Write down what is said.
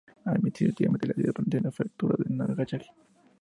Administrativamente, las islas pertenecen a la prefectura de Nagasaki.